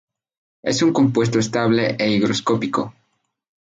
Es un compuesto estable e higroscópico.